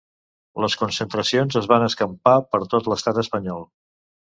Les concentracions es van escampar per tot l’estat espanyol.